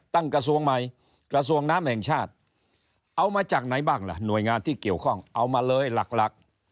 กระทรวงใหม่กระทรวงน้ำแห่งชาติเอามาจากไหนบ้างล่ะหน่วยงานที่เกี่ยวข้องเอามาเลยหลัก